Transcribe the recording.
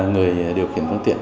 người điều khiển phương tiện